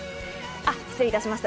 失礼いたしました。